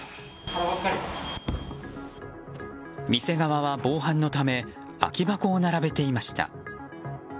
店側は防犯のため空き箱を並べていました。